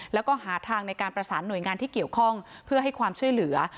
แล้วก็หาทางในการประสานหน่วยงานที่เกี่ยวข้องเพื่อให้ความช่วยเหลือ